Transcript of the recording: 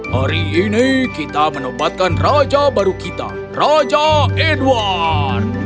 hari ini kita menempatkan raja baru kita raja edward